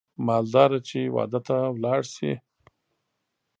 مالداره چې واده ته لاړ شي